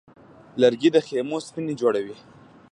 لرګی د خیمو ستنې جوړوي.